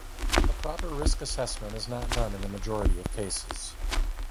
A proper risk assessment is not done in the majority of cases.